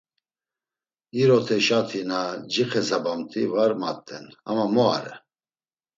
İroteşati na cixesabamti var mat̆en ama mu are?